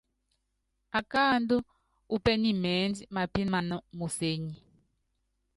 Akáándɔ u pɛ́nimɛ́nd mapiman museny.